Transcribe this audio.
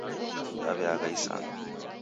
Daw'eagha isanga